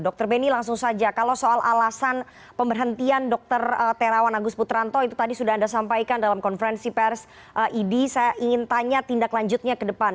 dr beni langsung saja kalau soal alasan pemberhentian dr terawan agus putranto itu tadi sudah anda sampaikan dalam konferensi pers idi saya ingin tanya tindak lanjutnya ke depan